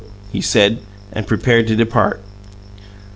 he said, and prepared to depart.